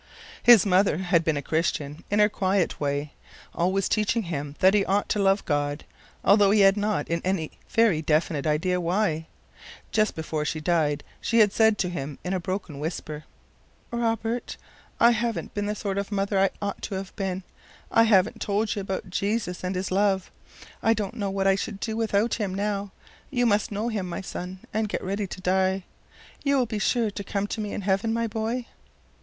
His mother had been a Christian, in her quiet way, always teaching him that he ought to love God, although he had not in any very definite idea why. Just before she died she had said to him in a broken whisper: "Robert, I haven't been the sort of mother I ought to have been. I haven't told you about Jesus and his love. I don't know what I should do without him now. You must know him, my son, and get ready to die. You will be sure to come to me in heaven, my boy?"